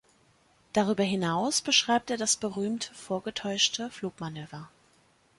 Darüber hinaus beschreibt er das berühmte „vorgetäuschte Flug-Manöver“.